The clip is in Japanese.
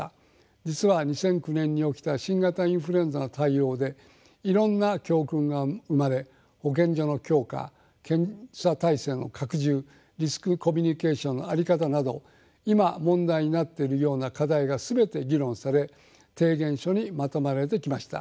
実は２００９年に起きた新型インフルエンザの対応でいろんな教訓が生まれ保健所の強化検査体制の拡充リスクコミュニケーションの在り方など今問題になっているような課題が全て議論され提言書にまとめられてきました。